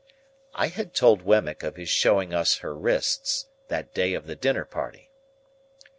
I had told Wemmick of his showing us her wrists, that day of the dinner party.